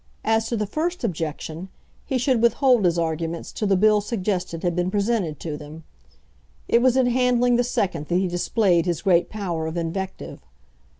As to the first objection, he should withhold his arguments till the bill suggested had been presented to them. It was in handling the second that he displayed his great power of invective.